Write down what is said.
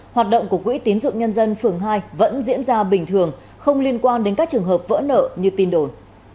hoạt động của quỹ tín dụng nhân dân phường hai vẫn diễn ra bình thường không liên quan đến các trường hợp vỡ nợ như tin đồn